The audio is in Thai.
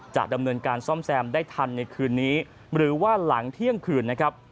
จะดำเนินการซ่อมแซมได้ทันในคืนนี้หรือว่าหลังเที่ยงคืนนะครับ